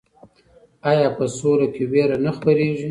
آیا په سوله کې ویره نه خپریږي؟